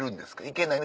いけない？